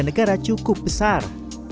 negara cukup besar